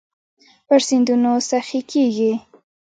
پر سیندونو سخي کیږې